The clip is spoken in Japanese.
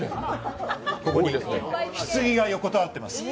ここに、ひつぎが横たわっています。